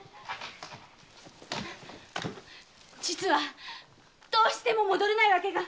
実はどうしても戻れない訳が。